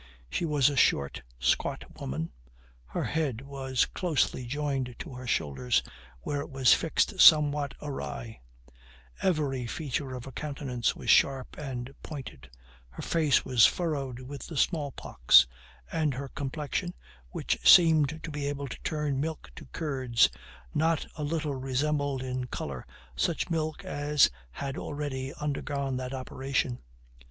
She was a short, squat woman; her head was closely joined to her shoulders, where it was fixed somewhat awry; every feature of her countenance was sharp and pointed; her face was furrowed with the smallpox; and her complexion, which seemed to be able to turn milk to curds, not a little resembled in color such milk as had already undergone that operation.